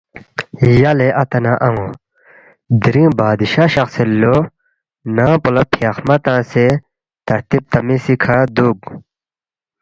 ”یلے اتا نہ ان٘و دِرِنگ بادشاہ شخسید لو، ننگ پو لہ فیاخمہ تنگسے ترتیب تمیزی کھہ دُوک